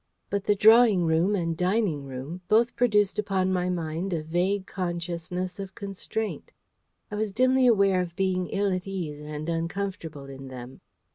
But the drawing room and dining room both produced upon my mind a vague consciousness of constraint. I was dimly aware of being ill at ease and uncomfortable in them.